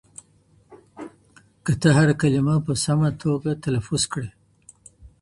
که ته هره کلمه په سمه توګه تلفظ کړې.